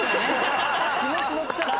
気持ちのっちゃった。